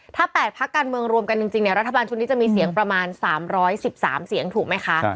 ถ้า๘พักการเมืองรวมกันจริงรัฐบาลชุดนี้จะมีเสียงประมาณ๓๑๓เสียงถูกไหมคะ